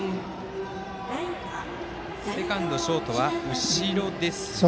セカンド、ショートは後ろですね。